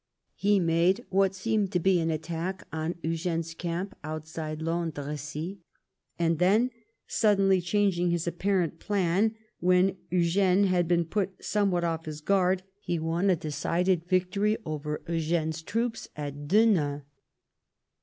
He made what seemed to be an attack on Eugene's camp outside Landrecies, and then, suddenly chang ing his apparent plan when Eugene had been put somewhat ojff his guard, he won a decided victory over Eugene's troops at Denain.